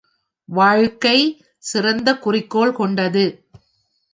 வாழ்க்கை சிறந்த குறிக்கோள் கொண்டது.